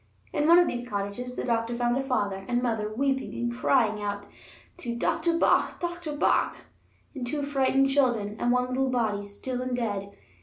In one of these cottages the doctor found a father and mother weeping and crying out to "doctor bach, doctor bach," and two frightened children, and one little body, still and dead.